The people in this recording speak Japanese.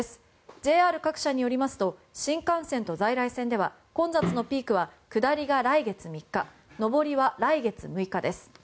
ＪＲ各社によりますと新幹線と在来線では混雑のピークは下りが来月３日上りは来月６日です。